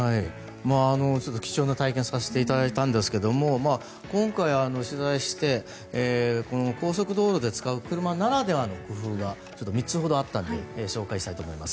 ちょっと貴重な体験をさせていただいたんですけども今回、取材して高速道路で使う車ならではの工夫が３つほどあったので紹介したいと思います。